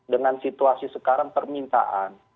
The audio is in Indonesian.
dengan situasi sekarang permintaan